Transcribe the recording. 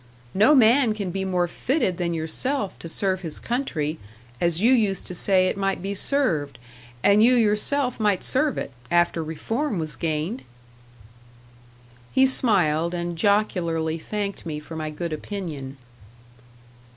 No man can be more fitted than yourself to serve his country, as you used to say it might be served, and you yourself might serve it, after Reform was gained." He smiled, and jocularly thanked me for my good opinion.